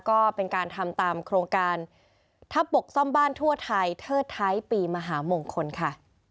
ก็เป็นการทำตามโครงการทัพบกซ่อมบ้านทั่วไทยเทิดท้ายปีมหามงคลค่ะ